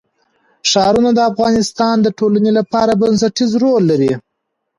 ښارونه د افغانستان د ټولنې لپاره بنسټيز رول لري.